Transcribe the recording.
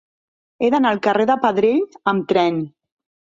He d'anar al carrer de Pedrell amb tren.